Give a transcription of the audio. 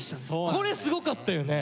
これすごかったよね？